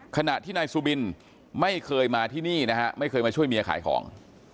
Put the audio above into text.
ขณะที่นายสุบินไม่เคยมาที่นี่นะฮะไม่เคยมาช่วยเมียขายของ